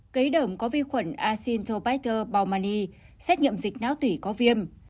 cấy đởm có vi khuẩn acinetobacter baumannii xét nghiệm dịch náo tủy có viêm